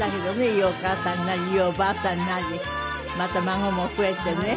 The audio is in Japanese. いいお母さんになりいいおばあさんになりまた孫も増えてね。